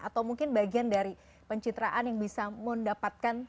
atau mungkin bagian dari pencitraan yang bisa mendapatkan